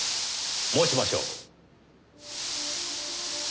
申しましょう。